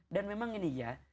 dan memang ini ya